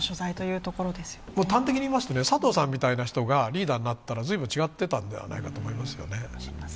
端的にいいますと、佐藤さんみたいな人がリーダーになったら随分違っていたんではないかと思いますよね。